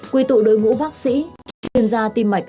quy tụ đội ngũ bác sĩ chuyên gia tim mạch